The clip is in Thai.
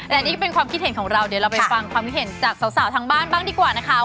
และนี่ก็เป็นความคิดเห็นของเราเดี๋ยวเราไปฟังความคิดเห็นจากสาวทางบ้านบ้างดีกว่านะคะ